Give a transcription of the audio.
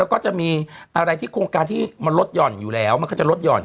แล้วก็จะมีอะไรที่โครงการที่มันลดหย่อนอยู่แล้วมันก็จะลดห่อน